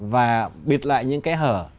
và biệt lại những kẻ hở